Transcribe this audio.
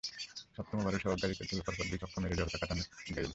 সপ্তম ওভারে সোহাগ গাজীকে পরপর দুই ছক্কা মেরেই জড়তা কাটান গেইল।